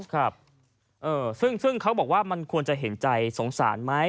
ครับซึ่งเขาบอกว่ามันควรจะเห็นใจสงสารไหม